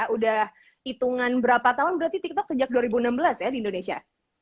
udah hitungan berapa tahun berarti tiktok sejak dua ribu enam belas ya di indonesia